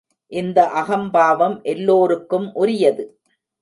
இந்த அகம்பாவம் எல்லோருக்கும் உரியது.